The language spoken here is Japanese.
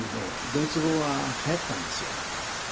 ドイツ語がはやったんですよ。